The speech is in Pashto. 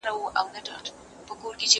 زه اوس کتاب وليکم!!!!